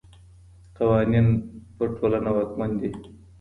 قوانین پر ټولنه واکمن دي.